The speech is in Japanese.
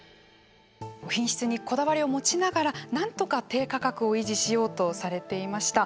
品質にこだわりを持ちながら何とか低価格を維持しようとされていました。